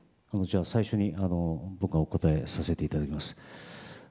最初に僕がお答えさせていただきます。